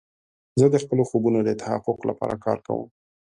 زه د خپلو خوبونو د تحقق لپاره کار کوم.